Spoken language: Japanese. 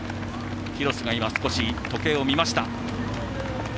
キロスが今少し時計を見ました。